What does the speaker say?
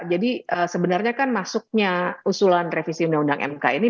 jadi sebenarnya kan masuknya usulan revisi undang undang mk ini